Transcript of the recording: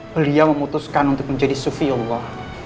beliau memutuskan untuk menjadi sufiullah